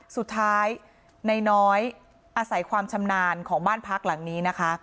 สุดท้ายนายน้อยอาศัยความชำนาญของบ้านพักหลังนี้นะคะ